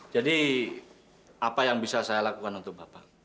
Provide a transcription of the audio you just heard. jadi apa yang bisa saya lakukan untuk bapak